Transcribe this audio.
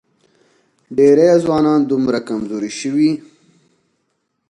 ډېری ځوانان دومره کمزوري شوي